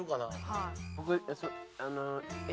はい。